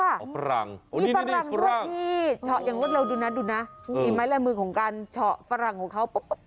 นี่ฝรั่งด้วยที่เฉาะอย่างรวดเร็วดูนะดูนะฝีไม้ลายมือของการเฉาะฝรั่งของเขา